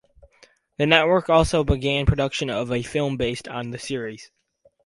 The network also began production of a film based on the series.